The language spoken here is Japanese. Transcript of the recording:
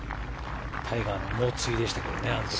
タイガーの猛追でしたからね。